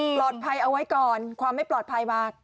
ปลอดภัยเอาไว้ก่อนความไม่ปลอดภัยมาก